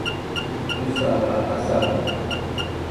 Sadu patasan